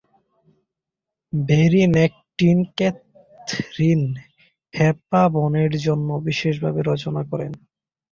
Barry নাটকটি Katharine হেপবার্নের জন্য বিশেষভাবে রচনা করেন।